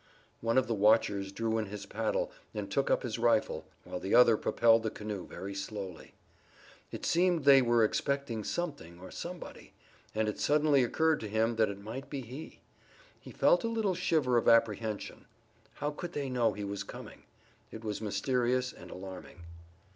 One of the watchers drew in his paddle and took up his rifle, while the other propelled the canoe very slowly. It seemed that they expected something or somebody, and it suddenly occurred to him that it might be he. He felt a little shiver of apprehension. How could they know he was coming? It was mysterious and alarming.